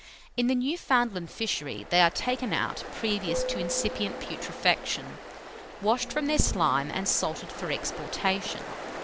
In the Newfoundland fishery they are taken out previous to incipient putrefaction, washed from their slime and salted for exportation.